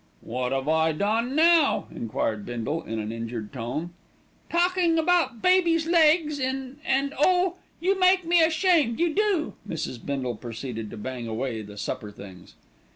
"Wot 'ave I done now?" enquired Bindle in an injured tone. "Talkin' about babies' legs, and and oh! you make me ashamed, you do." Mrs. Bindle proceeded to bang away the supper things.